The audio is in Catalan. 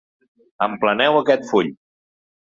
Empleneu aquest full.